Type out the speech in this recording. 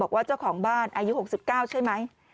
บอกว่าเจ้าของบ้านอายุ๖๙ใช่ไหม